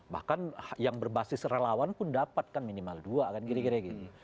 bahkan yang berbasis relawan pun dapat kan minimal dua kan kira kira gitu